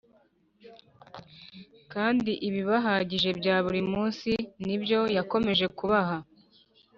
; kandi ibibahagije bya buri munsi ni byo yakomeje kubaha